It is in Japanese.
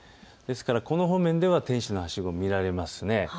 ですからこの方面では天使のはしご、見られます。